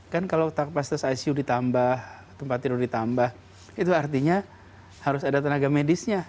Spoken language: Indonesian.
kan kalau kapasitas icu ditambah tempat tidur ditambah itu artinya harus ada tenaga medisnya